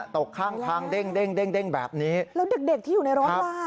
ตกข้างทางเด้งแบบนี้แล้วเด็กที่อยู่ในร้อนวา